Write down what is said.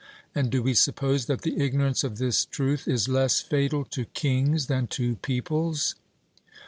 And do we suppose that the ignorance of this truth is less fatal to kings than to peoples?